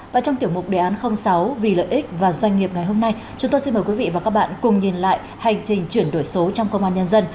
và trong tiểu mục đề án sáu vì lợi ích và doanh nghiệp ngày hôm nay chúng tôi xin mời quý vị và các bạn cùng nhìn lại hành trình chuyển đổi số trong công an nhân dân